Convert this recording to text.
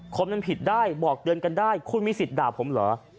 คนมันผิดได้บอกเตือนกันได้คุณมีสิทธิ์ด่าผมเหรอ